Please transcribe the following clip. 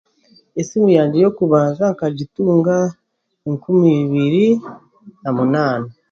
Esimu yangye y'okubanza nkagitunga enkumi ibiri n'amunaana